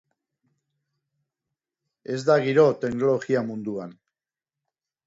Ez da giro teknologia munduan.